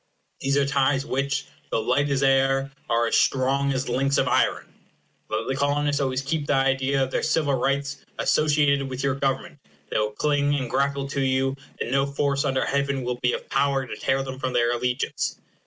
These are ties which, though light as air, are as strong as links of iron. Let the Colonists always keep the idea of their civil rights associated with your government, they will cling and grapple to you, and no force under heaven will be of power to tear them from their allegiance.